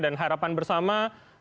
dan harapan bersama